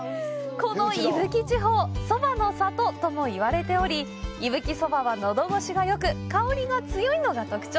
この伊吹地方は「蕎麦の里」とも言われており、伊吹蕎麦はのど越しがよく、香りが強いのが特徴。